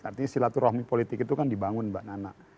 artinya silaturahmi politik itu kan dibangun mbak nana